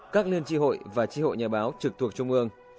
các liên tri hội và tri hội nhà báo trực thuộc trung ương